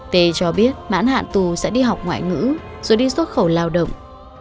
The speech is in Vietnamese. t cho biết mãn hạn tù sẽ đi học ngoại ngữ rồi đi xuất khẩu lao động